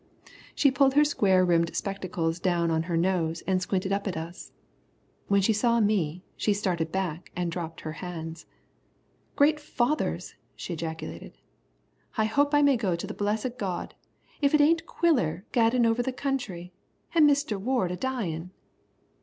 She pulled her square rimmed spectacles down on her nose and squinted up at us. When she saw me, she started back and dropped her hands. "Great fathers!" she ejaculated, "I hope I may go to the blessed God if it ain't Quiller gaddin' over the country, an' Mister Ward a dyin'."